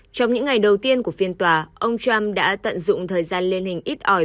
trong những ngày đầu tiên của phiên tòa ông trump đã tận dụng thời gian liên hình ít ỏi